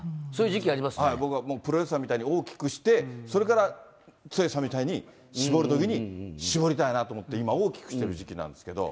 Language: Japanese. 僕はもうプロレスラーみたいに大きくして、それから剛さんみたいに、絞るときに絞りたいなと思って、今大きくしてる時期なんですけど。